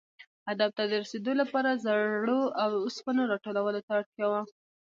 هدف ته رسېدو لپاره زړو اوسپنو را ټولولو ته اړتیا وه.